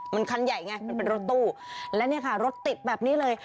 มันคันใหญ่ไงมันเป็นรถตู้และเนี่ยค่ะรถติดแบบนี้เลย